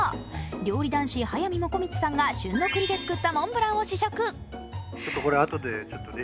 料理男子・速水もこみちさんが旬のくりで作ったモンブランを試食。